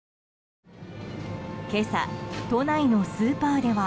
今朝、都内のスーパーでは。